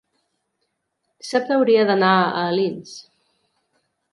dissabte hauria d'anar a Alins.